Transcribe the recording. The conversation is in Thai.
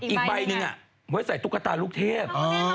อีกใบหนึ่งไว้ใส่ตุ๊กตาลูกเทพ